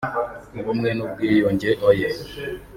ubumwe n’ubwiyunge oyee